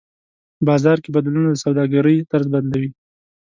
بازار کې بدلونونه د سوداګرۍ طرز بدلوي.